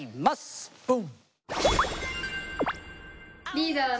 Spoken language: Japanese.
リーダーズ。